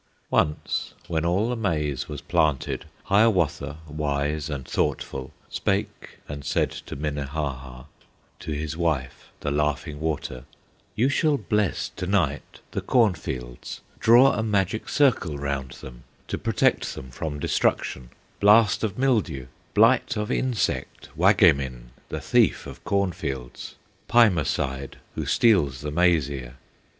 Once, when all the maize was planted, Hiawatha, wise and thoughtful, Spake and said to Minnehaha, To his wife, the Laughing Water: "You shall bless to night the cornfields, Draw a magic circle round them, To protect them from destruction, Blast of mildew, blight of insect, Wagemin, the thief of cornfields, Paimosaid, who steals the maize ear.